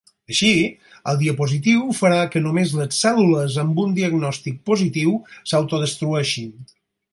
Així, el dispositiu farà que només les cèl·lules amb un diagnostic "positiu" s'autodestrueixin.